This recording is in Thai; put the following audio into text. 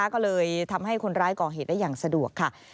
ก็เลยทำให้คนร้ายก่อเหตุได้อย่างสะดวกค่ะ